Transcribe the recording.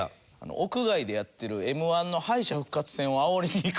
屋外でやってるＭ−１の敗者復活戦をあおりに行く。